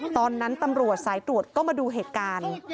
ตอนนั้นตำรวจสายตรวจก็มาดูเหตุการณ์